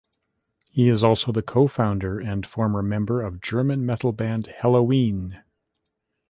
He is also the co-founder and former member of German metal band Helloween.